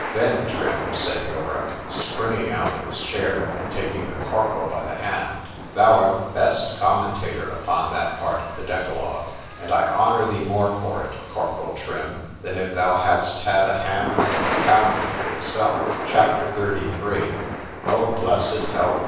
_—Then, Trim, said Yorick, springing out of his chair, and taking the corporal by the hand, thou art the best commentator upon that part of the Decalogue; and I honour thee more for it, corporal Trim, than if thou hadst had a hand in the Talmud itself. C H A P. XXXIIIV O BLESSED health!